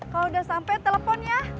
kalau sudah sampai telepon ya